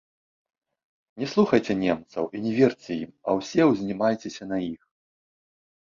Не слухайце немцаў і не верце ім, а ўсе ўзнімайцеся на іх.